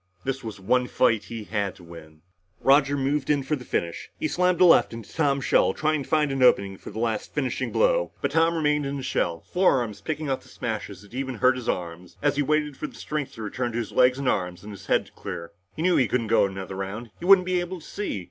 This was one fight he had to win. Roger moved in for the finish. He slammed a left into Tom's shell, trying to find an opening for the last finishing blow. But Tom remained in his shell, forearms picking off the smashes that even hurt his arms, as he waited for the strength to return to his legs and arms and his head to clear. He knew that he couldn't go another round. He wouldn't be able to see.